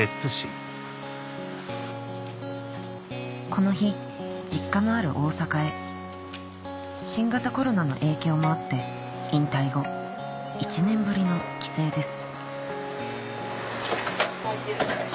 この日実家のある大阪へ新型コロナの影響もあって引退後１年ぶりの帰省です開いてる。